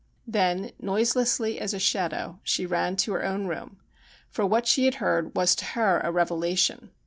Then, noiselessly as a shadow, she ran to her own room ; for what she had heard was to her a revelation.